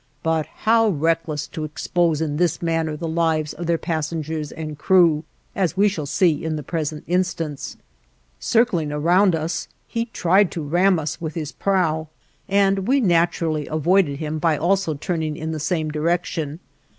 but how reckless to expose in this manner the lives of their passengers and crew, as we shall see in the present instance. Circling around us he tried to ram us with his prow, and we naturally avoided him by also turning in the same direction.